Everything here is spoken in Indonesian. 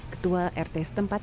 ketua rt setempat